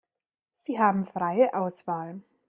Sie haben freie Auswahl.